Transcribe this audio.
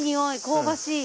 香ばしい。